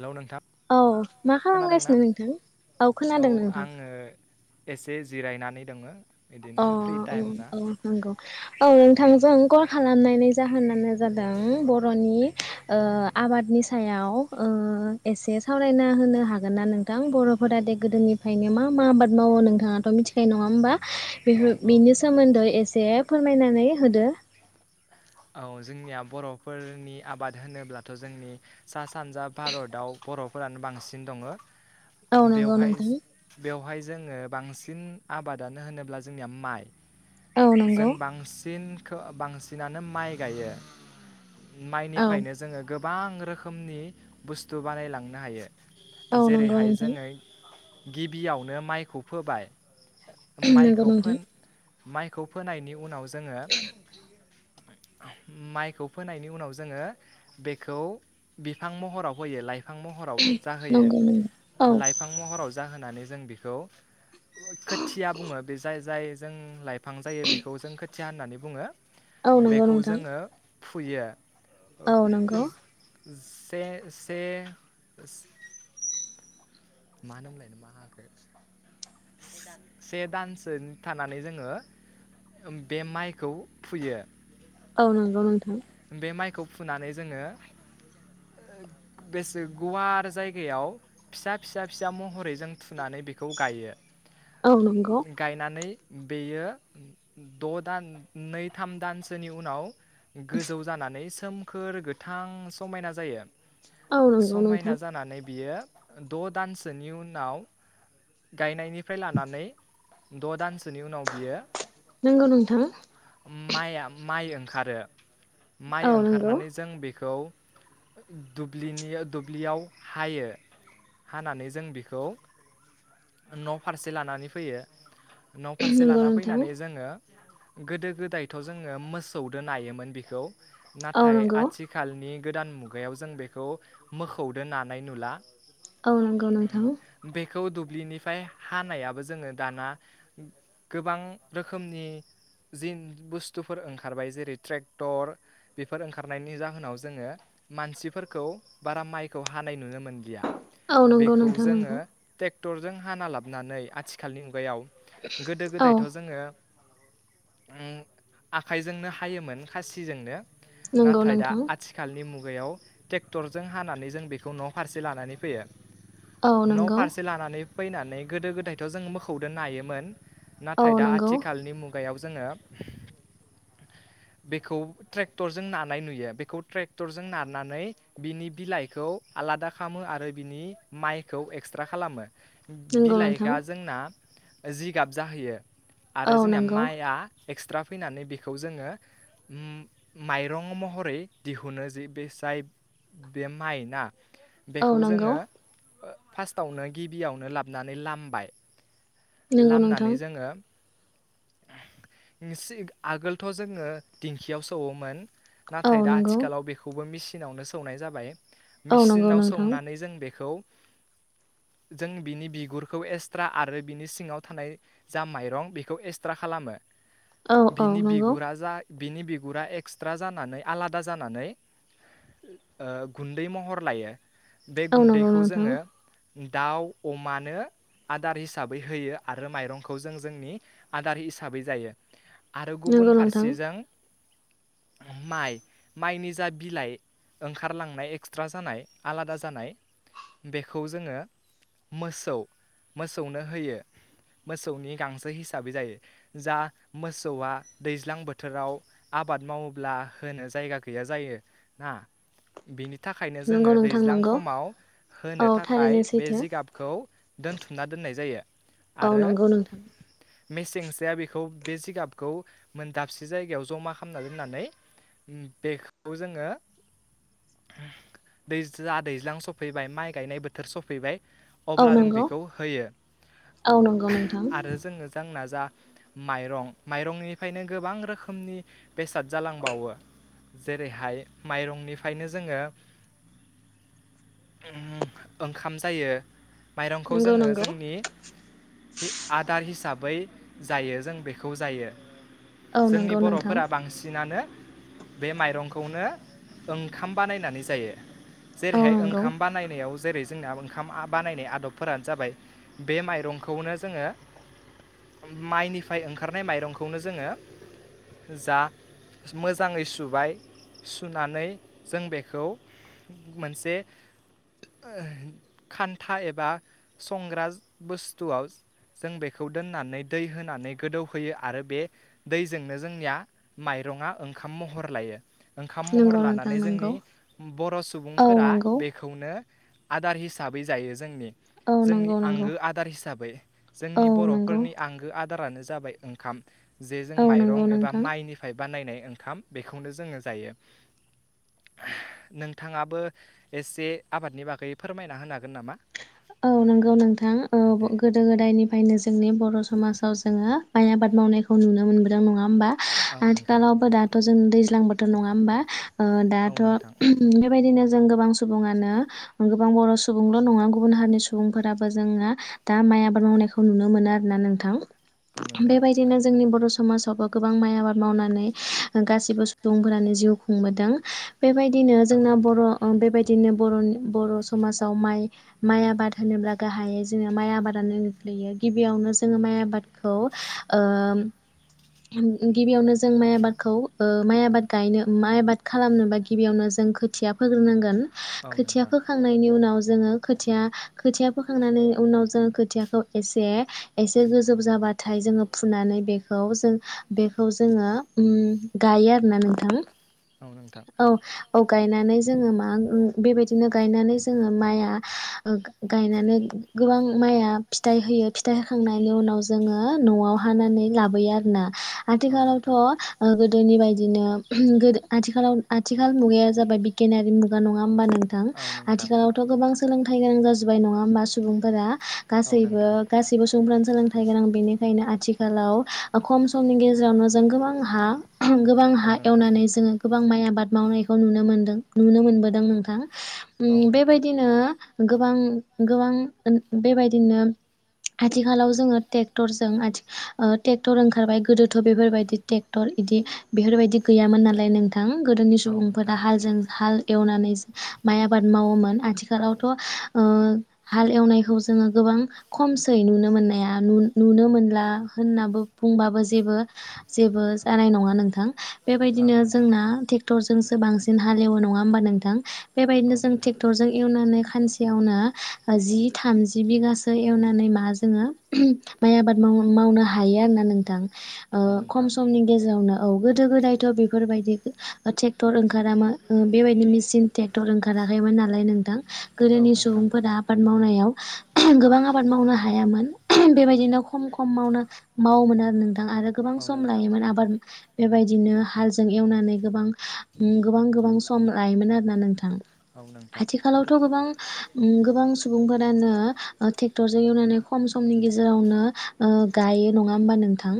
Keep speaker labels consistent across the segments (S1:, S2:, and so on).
S1: Hello नोंथां
S2: औ मा
S1: खोनादोंना
S2: खालामगासिनो नोंथां औ
S1: औ
S2: खोनादों नोंथां।
S1: आङो एसे जिरायनानै दोङो।
S2: अ ओम ओम नंगौ औ नोंथांजों कल खालामनायनि जाहोनानो जादों बर'नि ओ आबादनि सायाव ओ एसे सावरायना होनो हागोन्ना नोंथां बर'फोरा दे गोदोनिफ्रायनो मा मा आबाद मावो नोंथाङाथ' मिथिखायो नङा होमबा।
S1: औ
S2: बिफोर
S1: औ
S2: बिनि सोमोन्दै एसे फोरमायनानै होदो।
S1: औ जोंनिया बर'फोरनि आबाद होनोब्लाथ' जोंनि सा सानजा भारताव बर'फोरानो बांसिन दङो।
S2: औ नंगौ
S1: बेवहाय
S2: नोंथां
S1: बेवहाय जोङो बांसिन आबादानो होनोब्ला जोंनिया माइ।
S2: औ नंगौ
S1: जों बांसिन खो बांसिनानो नो माइ गायो।
S2: औ
S1: माइनिफ्रायनो जोङो गो गोबां रोखोमनि बुस्थु बानायलांनो हायो।
S2: औ नंगौ
S1: जेरैहाय
S2: नोंथां
S1: जोङो गिबियावनो माइखौ फोबाय
S2: नंगौ
S1: माइखौ
S2: नोंथां
S1: फोन माइखौ फोनायनि उनाव जोङो माइखौ फोनायनि उनाव जोङो बेखौ बिफां महराव होयो लाइ लाइफां महराव जाहोयो
S2: नंगौ नंगौ औ
S1: लाइफां महराव जाहोनानै जों बेखौ खोथिया बुङो बे जाय - जाय जों लाइफ बिफां जायो बेखौ जों खोथा खोथिया होननानै बुङो
S2: औ नंगौ
S1: बेखौ
S2: नोंथां
S1: जोङो फुयो [inaudible]
S2: औ नंगौ
S1: से-से मा होनोमोनलाय माहाखो से दानसो थानानै जोङो बे माइखौ फुयो
S2: औ नंगौ नोंथां
S1: बे माइखौ फुनानै जोङो बेसे गुवार जायगायाव फिसा - फिसा फिसा महरै जों फुनानै बेखौ गायो
S2: औ नंगौ
S1: गायनानै बेयो द' दान नै थाम दानसोनि उनाव गोजौ जानानै सोमखोर गोथां समायना जायो
S2: औ नंगौ
S1: समायना
S2: नोंथां
S1: जानानै बियो द' दानसोनि उनाव गायनायनि निफ्राय लानानै द' दानस बिनि उनाव बियो
S2: नंगौ नोंथां
S1: माइआ माइ ओंखारो माइ
S2: औ नंगौ
S1: ओंखारनानै जों बेखौ दुब्लिनि - दुब्लियाव हायो हानानै जों बेखौ न' फारसे लानानै फैयो न' फारसे
S2: नंगौ
S1: लाना
S2: नोंथां
S1: फैनानै जोङो गोदो- गोदायथ' जोङो मोसौदो नायोमोन बे खौ
S2: औ
S1: नाथाय
S2: नंगौ
S1: आथिखालनि गोदान मुगायाव जों बेखौ मोखौदो नानाय नुला
S2: औ नंगौ नोंथां
S1: खौ दुब्लिनिफ्राय हानायाबो जोङो दाना गोबां रोखोमनि जि बुस्थुफोर ओंखारबाय जेरै ट्रेक टर बेफोर ओंखारनायनि जाहोनाव जोङो मानसिफोरखौ बारा माइखौ हानाय नुनो मोनलिया
S2: औ नंगौ नोंथां नंगौ
S1: टेक्टरजों हाना लाबनानै आथिखालनि मुगायाव गोदो
S2: औ
S1: गोदायथ' जोङो ओम आखाइजोंनो हायोमोन। खासिजोंनो
S2: नंगौ
S1: नाथाय दा
S2: नोंथां
S1: आथिखालनि मु गायाव ट्रेक्टरजों हानानै जों बेखौ न' फारसे लानानै फैयो।
S2: औ
S1: न'
S2: नंगौ
S1: फारसे लानानै फैनानै गोदो गोदायथ' जोङो मोखौदो नायोमोन। नाथाय
S2: औ
S1: दा
S2: नंगौ
S1: आथिखालनि मुग गायाव जोङो बेखौ ट्रेक्टरजों नानाय नुयो बेखौ ट्रेक्टरजों नानानै बिनि बिलाइखौ आलादा खालामो आरो बिनि माइखौ एक्सट्रा खालामो।
S2: नंगौ नोंथां
S1: बिलाइखा जोंना जिगाब जाहैयो।
S2: औ
S1: आरो जोंनिया
S2: नंगौ
S1: माइआ एक्सट्रा फैनानै बेखौ जोङो उम माइरं महरै दिहुनो जाय बे माइ ना
S2: औ
S1: बेखौ
S2: नंगौ
S1: जोङो फार्स्टआवनो गिबियावनो लाबनानै लामबाय।
S2: नंगौ नोंथां
S1: लामनानै जोङो आगोलथ' जोङो दिंखियाव सौवोमोन।
S2: औ
S1: नाथाय दा
S2: नंगौ
S1: आथिखालाव बेखौबो मिसि सिनावनो सौनाय जाबाय।
S2: औ नंगौ
S1: मेचिनाव
S2: नोंथां
S1: सौनानै जों बेखौ जों बिनि बिगुरखौ एक्सट्रा आरो बिनि सिङाव थानाय जा माइरं बेखौ एक्सट्रा खालामो।
S2: औ औ
S1: बिनि
S2: नंगौ।
S1: बिगुरा जा बिनि बिगुरा एक्सट्रा जानानै आलादा जानानै ओ गुन्दै महर लायो। बे
S2: औ नंगौ
S1: गुन्दैखौ
S2: नोंथां
S1: जोङो दाउ अमानो आदार हिसाबै होयो आरो माइरंखौ जों जोंनि आदार हिसाबै जायो। आरो गुबुन
S2: नंगौ नोंथां
S1: फारसेजों माइ माइनि जा बिलाइ ओंखारलांनाय एक्सट्रा जानाय आलादा जानाय बेखौ जोङो मोसौ मोसौनो होयो मोसौनि गांसो हिसाबै जायो जा मोसौआ दैज्लां बोथोराव आबाद मावोब्ला होनो जायगा गैया जायो ना बिनि थाखायनो
S2: नंगौ
S1: जोङो
S2: नोंथां
S1: दैज्लां
S2: नंगौ
S1: खमाव होनो
S2: औ थारैनो
S1: थाखाय बे
S2: सैथो
S1: जिगाबखौ दोनथुमना दोननाय जायो
S2: औ
S1: आरो
S2: नंगौ नोंथां
S1: मेसेंसेआ बेखौ बे जिगाबखौ मोन दाबसे जायगायाव जमा खालामना दोननानै उम बेखौ जोङो दै जा दैज्लां सफैबाय माइ गायनाय बोथोर सफैबाय
S2: औ
S1: अब्ला जों
S2: नंगौ
S1: बेखौ होयो
S2: औ नंगौ नोंथां
S1: आरो जोङो जोंना जा माइरं माइरंनि फायनो बेनिनो गोबां रोखोमनि बेसाद जालांबावो जेरैहाय माइरंनिफ्रायनो जोङो ओंखाम जायो माइरंखौ
S2: नंगौ
S1: जोङो
S2: नंगौ
S1: जोंनि हि आदार हिसाब बै जायो जों बेखौ जायो
S2: औ
S1: जोंनि
S2: नंगौ नोंथां
S1: बर'फोरा बांसिनानो बे माइरंखौनो ओंखाम बानायनानै जायो
S2: औ
S1: जेरैहाय
S2: नंगौ
S1: ओंखाम बानायनायाव जेरै जोंना ओंखामा बानायनाय आदब फोरानो जाबाय़ बे माइरंखौनो जोङो माइनिफ्राय ओंखारनाय माइरंखौनो जोङो जा मोजाङै सुबाय सुनानै जों बेखौ मोनसे खान्था एबा संग्रास बुस्थुआव जों बेखौ दोननानै दै होनानै गोदौहोयो आरो बे दैजोंनो जोंनिया माइरङा ओंखाम महर लायो ओंखाम महर
S2: नंगौ नोंथां
S1: लानानै
S2: नंगौ
S1: जोंनि बर'
S2: औ
S1: सुबुंफोरा
S2: नंगौ
S1: बेखौनो आदार हिसाबै जायो जोंनि
S2: औ
S1: जोंनि
S2: नंगौ नंगौ
S1: आंगो आदार हिसाबै
S2: औ
S1: जोंनि
S2: नंगौ
S1: बर'फोरनि आंगो आद दारानो जाबाय ओंखाम जे जों
S2: औ नंगौ
S1: माइरं एबा
S2: नोंथां
S1: माइनिफायब बानायनाय ओंखाम बेखौनो जोङो जायो। नोंथाङाबो एसे आबादनि बागै फोरमायना होनो हागोन नामा?
S2: औ नंगौ नोंथां औ
S1: दे
S2: गोदो गोदायनिफ्रायनो जोंनि बर' समाजाव जोङो माइ आबाद मावनायखौ नुनो मोनबोदों नङा होमबा
S1: औ नोंथां
S2: आथिखालावबो दाथ' जों दैज्लांबोथोर नङा होमबा ओ दाथ'
S1: औ नोंथां
S2: बेबायदिनो जों गोबां सुबुङानो गोबां बर' सुबुंल' नङा गुबुन हारिनि सुबुंफोराबो जोंङा दा माइ आबाद मावनायखौ नुनो मोनो आरोना नोंथां
S1: औ नोंथां
S2: बेबायदिनो जोंनि बर' सु समाजावबो गोबां माइ आबाद मावनानै गासिबो सुबुंफोरानो जिउ खुंबोदों बेबायदिनो
S1: औ
S2: जोंना बर'
S1: नोंथां
S2: अ बेबायदिनो बर'नि बर' सु खमाजाव माइ माइ आबाद होनोब्ला गाहायै जोङो माइ आबादानो गोग्लैयो गिबियावनो जोङो माइ आबादखौ ओ गिबियावनो जों माइ आबादखौ ओ माइ आबाद गायनो माइ आबाद खालामनोबा गिबियावनो जों खोथिया फोग्रोनांगोन।
S1: औ
S2: खोथिया
S1: नोंथां
S2: फोखांनायनि उनाव जोङो खोथिया खोथिया फोखांनानै उनाव जोङो खोथियाखौ एसे एसे गोजौ जाबाथाय जोङो फुनानै बेखौ जों बेखौ जोङो उम गायो आरोना नोंथां
S1: औ नोंथां औ नोंथां
S2: औ औ गायनानै जोङो मा उम बेबायदिनो गायनानै जोङो माइआ गा-गायनानै गोबां माइया फिथाइ होयो फिथाइ होखांनायनि उनाव जोङो न'आव हानानै लाबोयो आरोना आथिखालावथ' ओ गोद गोदोनि बायदिनो गो आथिखालाव आथिखाल मुगाया जाबाय बिगियानारि मुगा नङा होमबा नोंथां
S1: औ नोंथां
S2: आथिालावथ' गोबां सो सोलोंथाइ गोनां जाजोबबाय नङा होमबा सुबुंफोरा
S1: औ
S2: गासैबो
S1: नोंथां
S2: गासैबो सुबुंफ्रानो सोलों फागोन आं बेनिखायनो आथिखालाव अ खम समनि गेजेरावनो जों गोबां हा गोबां
S1: औ
S2: हा
S1: नोंथां
S2: एवनानै जोङो गोबां माइया आबाद मावनायखौ नुनो मोनदों नुनो मोनबोदों नोंथां
S1: औ
S2: उम
S1: नोंथां औ
S2: बेबायदिनो गोबां गोबां बेबायदिनो आथिखालाव जोङो ट्रेक्टरजों ट्रेक्टर ओंखारबाय गोदोथ' बेफोरबायदि ट्रेक्टर इदि बेफोरबायदि गैयामोन नालाय नों गोदोनि सुबुंफोरा
S1: नोंथां
S2: हालजों हाल एवनानै माइ आबाद मावोमोन आथिखालाव थ ओ हाल एवनायखौ जोङो गोबां खमसै नुनो मोननाया नुनो मोनला होननाबो बुंबाबो जेबो जेबो जानाय नङा नोंथां बेबायदिनो जोंना ट्रेक्टरजोंसो बांसिन हालेवो नङा होमबा नोंथां बेबायदिनो जों ट्रेक्टरजों एवनानै सानसेयावनो जि थामजि बिगासो एवनानै मा जोङो माइ आबाद माव मावनो हायो आरोना नोंथां ओ खम समनि गेजेरावनो औ गोदो गोदायथ' बेफोरबायदि थ टेक्टर ओंखारामोन बेबायदि मेसिन ट्रेक्टर ओंखारा खाराखैमोन नालाय नोंथां गोदोनि सुबुंफोरा आबाद मावनायाव गोबां आबाद मावनो हायामोन बेबायदिनो खम खम मावनो मावोमोन आरो नोंथां आरो गोबां सम लायोमोन आबाद बेबायदिनो हालजों एवनानै गोबां गोबां गोबां सम लायोमोन आरोना नोंथां
S1: औ नोंथां
S2: आथिखालावथ' गोबां सुबुंफोरानो ट्रेक्टरजों एवनानै खमनि गेजेरावनो गायो नङा होमबा नोंथां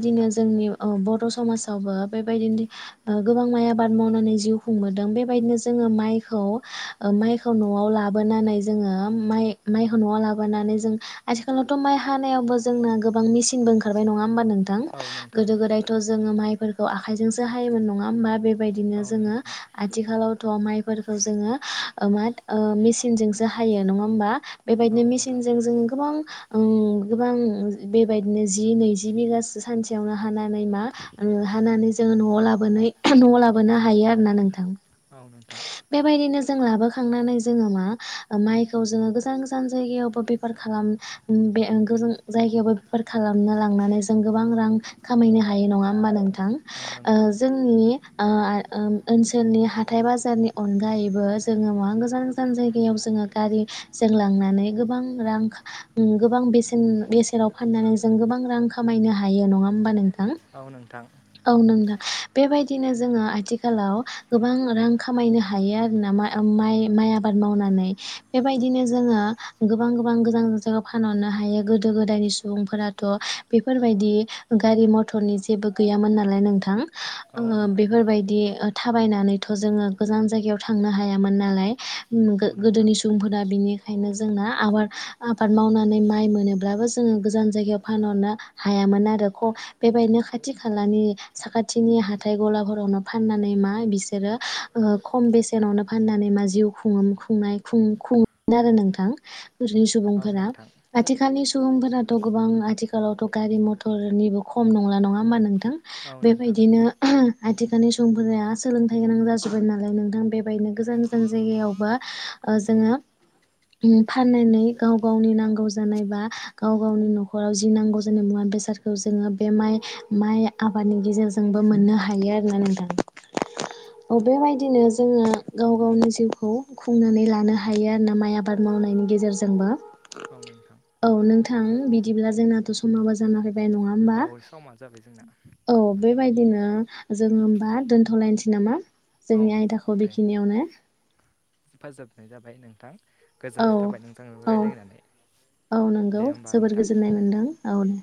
S1: नोंथां
S2: जोंनि बर' समाजावबो बेबायदिनो गोबां माइ आबाद मावनानै जिउ खुंबोदों बेबायदिनो जोङो माइखौ माइखौ न'आव लाबोनानै जोङो माइखौ न'आव लाबोनानै जों आथिखालावथ' माइ हानायावबो जोंना गोबां मेसिनबो ओंखारबाय नङा होमबा नों
S1: औ नोंथां औ
S2: गोदो
S1: नोंथां
S2: गोदायथ' जोङो माइ फोरखौ आखाइजोंसो हायोमोन नङा होमबा बे बेबायदिनो जोंङो
S1: औ नोंथां औ नोंथां
S2: आथिखालावथ' फोरखौ जोङो मा मेसिनजोंसो हायो नङा होमबा बेबायदिनो मेसिनजों जों गोबां गोबां बेबायदिनो जि नैजि बिगासो सानसेयावनो हानानै मा हानानै जोङो न'आव लाबोनाय न'आव लाबोनो हायो आरोना नोंथां
S1: औ
S2: बेबायदिनो जों लाबो खांनानै जोङो मा माइखौ जोङो गोजान गोजान जायगायावबो बेफार खालाम ओ बे गोजान जायगायावबो बेफार खालामनो लांनानै जों गोबां रां खामायनो हायो नङा होमबा नों थां
S1: नोंथां औ
S2: ओ
S1: नोंथां औ
S2: जोंनि ओ ओ ओनसोलनि हाथाइ बाजारनि अनगायैबो जोङो मा गोजान गोजान जायगायाव जोङो गारि जों लांनानै गोबां रां गोबां बेसेन बेसेनाव फाननानै जों गोबां रां खामायनो हायो नङा होमबा नोंथ थां
S1: नोंथां औ नोंथां औ नोंथां औ नोंथां औ नोंथां औ नोंथां औ नोंथां औ नोंथां
S2: औ नोंदां। बेबायदिनो जोङो आथिखालाव गोबां रां खामायनो हायो आरोना मा-माइ माइ आबाद मावनानै बेबायदिनो जोङो गोबां गोबां गोजान गोजानाव फानहरनो हायो। गोदो गोदायनि सुबुंफोराथ' बेफोरबायदि गारि मथरनि जेबो गैयामोन नालाय नोंथां।
S1: औ
S2: आङो
S1: नोंथां
S2: बेफोरबायदि ओ थाबायनानैथ' जोङो गोजान जायगायाव थांनो हायामोन नालाय ओम
S1: औ नोंथां
S2: गो-गोदोनि सुबुंफोरा बिनिखायनो जोंना आबाद आबाद मावनानै माइ मोनोब्लाबो जोङो गोजान जायगायाव फानहरनो हायामोन आरो ख बेबायदिनो खाथि खालानि साखाथिनि हाथाय ग'लाफोरावनो फाननानै मा बिसोरो ओ खम बेसेनावनो फाननानै मा जिउ खुंओन खुंनाय खु खुं आरो नोंथां नि सुबुंफोरा आथिखालनि सुबुंफोराथ' गोबां आथिखालावथ' गारि मथरनिबो खम नंला नङा होम्बा नोंथ थां बेबायदिनो आथि खालनि समफोरा सोलोंथाइ गोनां जाजोब्बाय नालाय नोंथां बेबायदिनो गोजान गोजान जायगायाव बा ओ जोङो फाननानै गाव गावनि नांगौ जानाय बा गाव गावनि न'खराव जि नांगौ जानाय मुवा बेसादखौ जोङो बे माइ माइ आबादनि गेजेरजोंबो मोननो हायो आरोना नोंथां। बेबायदिनो जोङो गाव गावनि जिउखौ खुंनानै लानो हायो आरो ना माइ आबाद मावनायनि गेजेरजोंबो
S1: औ नोंथां।
S2: थां बिदिब्ला जोंनाथ' समाबो जाना फै बाय नङा होम्बा
S1: औ समा जाबाय जोंना
S2: औ बे बायदिनो जोङो होमबा दोन्थ'लायनोसै नामा
S1: औ
S2: जोंनि आयदाखौ बेखिनियावनो
S1: हेफाजाबनाय जाबाय नोंथां
S2: औ
S1: गोजोननाय थाबाय नोंथां नोंथांजों
S2: औ
S1: राय्लायनानै
S2: औ नंगौ
S1: दे होमबा
S2: जोबोर
S1: नोंथां।
S2: गोजोननाय मोनदों औ दे